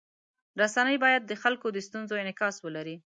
رسنۍ باید د خلکو د ستونزو انعکاس وکړي.